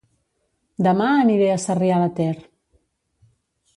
Dema aniré a Sarrià de Ter